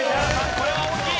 これは大きい。